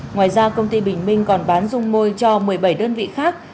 ngoài ra công ty bình minh còn bán dung môi cho một mươi bảy đơn vị khác